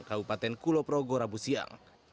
kabupaten kulonprogo rabu siang